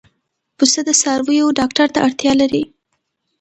پسه د څارویو ډاکټر ته اړتیا لري.